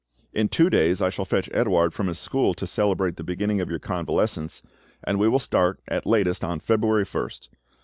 In two days I shall fetch Edouard from his school to celebrate the beginning of your convalescence, and we will start, at latest, on February 1st.